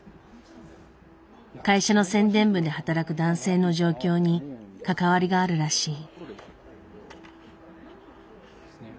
会社の宣伝部で働く男性の状況に関わりがあるらしい。